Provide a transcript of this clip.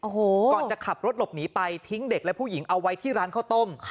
โอ้โหก่อนจะขับรถหลบหนีไปทิ้งเด็กและผู้หญิงเอาไว้ที่ร้านข้าวต้ม